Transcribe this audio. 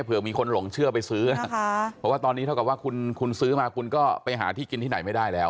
เผื่อมีคนหลงเชื่อไปซื้อนะคะเพราะว่าตอนนี้เท่ากับว่าคุณซื้อมาคุณก็ไปหาที่กินที่ไหนไม่ได้แล้ว